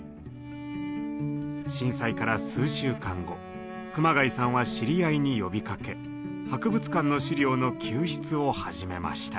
震災から数週間後熊谷さんは知り合いに呼びかけ博物館の資料の救出を始めました。